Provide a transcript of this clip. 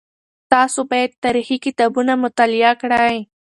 تاسو باید تاریخي کتابونه مطالعه کړئ.